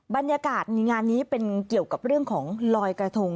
บรรยากาศในงานนี้เป็นเกี่ยวกับเรื่องของลอยกระทง